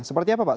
seperti apa pak